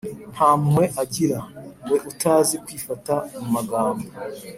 Nta mpuhwe agira, we utazi kwifata mu magambo,